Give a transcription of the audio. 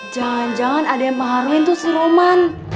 jangan jangan ada yang maharuin tuh si roman